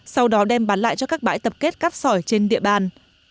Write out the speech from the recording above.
sau đó đem bán lại cho các bãi tập kết cát sỏi trên địa bàn